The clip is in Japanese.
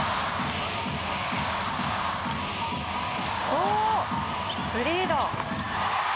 「おおっフリーだ」